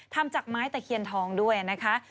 ทำจากไม้ตะเคียนทองด้วยนะคะ